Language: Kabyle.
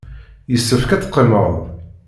Yessefk ad teqqimeḍ.